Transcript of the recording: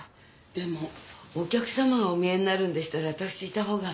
でもお客様がおみえになるんでしたら私いたほうが。